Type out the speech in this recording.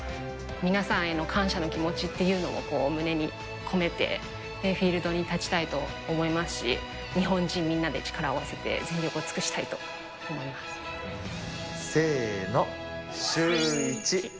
皆さんへの感謝の気持ちっていうのを胸に込めて、フィールドに立ちたいと思いますし、日本人みんなで力を合わせて、全力を尽くしせーの、シューイチ。